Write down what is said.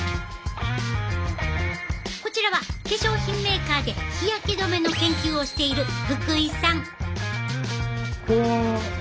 こちらは化粧品メーカーで日焼け止めの研究をしている福井さん。